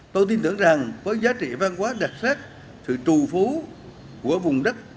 tôi tin tưởng rằng với giá trị văn hóa đặc sắc sự trù phú của vùng đất